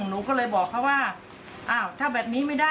หนูก็เลยบอกเขาว่าอ้าวถ้าแบบนี้ไม่ได้